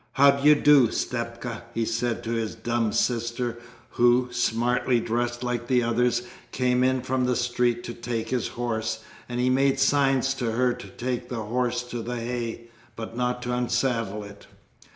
"How d'you do, Stepka?" he said to his dumb sister, who, smartly dressed like the others, came in from the street to take his horse; and he made signs to her to take the horse to the hay, but not to unsaddle it.